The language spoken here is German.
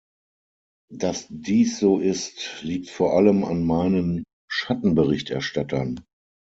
Dass dies so ist, liegt vor allem an meinen Schattenberichterstattern.